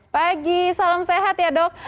pagi salam sehat ya dok